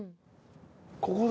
ここだ。